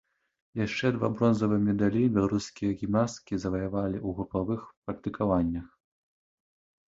Яшчэ два бронзавыя медалі беларускія гімнасткі заваявалі ў групавых практыкаваннях.